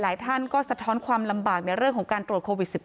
ท่านก็สะท้อนความลำบากในเรื่องของการตรวจโควิด๑๙